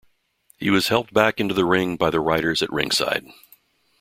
He was helped back into the ring by the writers at ringside.